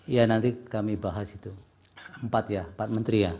ya nanti kami bahas itu empat ya empat menteri ya